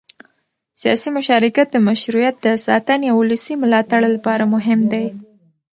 سیاسي مشارکت د مشروعیت د ساتنې او ولسي ملاتړ لپاره مهم دی